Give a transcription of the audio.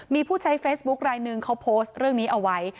มีผู้ใช้เฟซบุ๊คลายหนึ่งเขาโพสต์เรื่องนี้เอาไว้